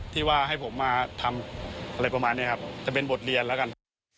ที่ว่าให้ผมมาทำอะไรประมาณนี้ครับจะเป็นบทเรียนแล้วกัน